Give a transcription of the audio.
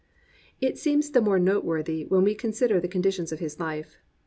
This seems the more noteworthy when we con sider the conditions of his Ufe.